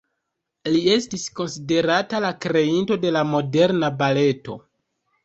Li estis konsiderata la kreinto de la moderna baleto.